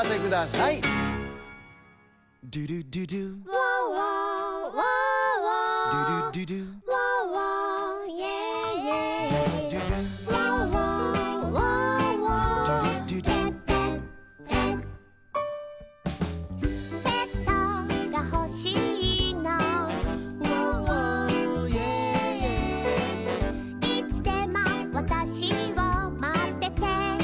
「いつでもわたしをまっててくれるの」